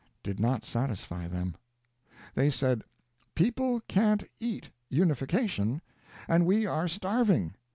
did not satisfy them. They said, "People can't eat unification, and we are starving.